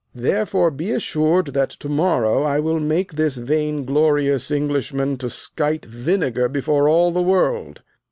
Therefore be assured that to morrow I will make this vain glorious Englishman to skite vinegar before all the world.